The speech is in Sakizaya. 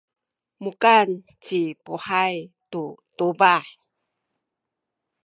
mukan ci Puhay tu tubah.